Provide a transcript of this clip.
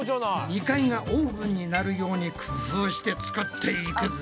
２階がオーブンになるように工夫して作っていくぞ。